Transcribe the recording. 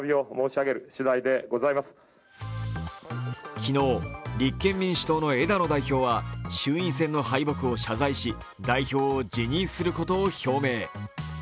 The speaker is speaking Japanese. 昨日、立憲民主党の枝野代表は衆院選の敗北を謝罪し代表を辞任することを表明。